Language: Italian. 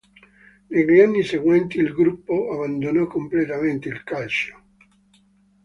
Negli anni seguenti il gruppo abbandonò completamente il calcio.